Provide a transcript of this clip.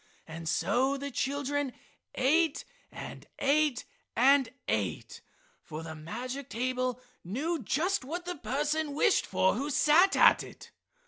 And so the children ate and ate and ate, for the magic table knew just what the person wished for who sat at it.